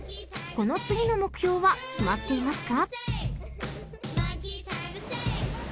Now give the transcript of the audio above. ［この次の目標は決まっていますか？］